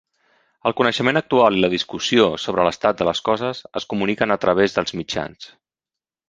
El coneixement actual i la discussió sobre l'estat de les coses es comuniquen a través dels mitjans.